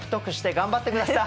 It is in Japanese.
頑張ってください。